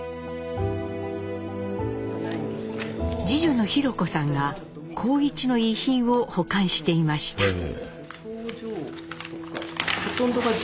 次女の弘子さんが幸一の遺品を保管していました。